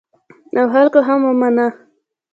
او خلکو هم ومانه.